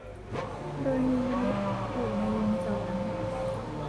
โดยมีมนุษย์อยู่ในวงจร